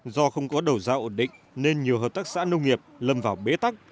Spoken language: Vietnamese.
do không có đầu ra ổn định nên nhiều hợp tác xã nông nghiệp lâm vào bế tắc